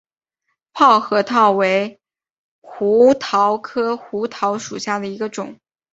泡核桃为胡桃科胡桃属下的一个种。